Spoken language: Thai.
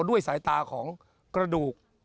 ด้วยสายตาของกระดูก